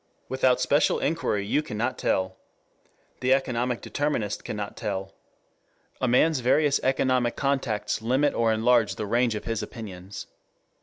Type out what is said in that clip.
Without special inquiry you cannot tell. The economic determinist cannot tell. A man's various economic contacts limit or enlarge the range of his opinions.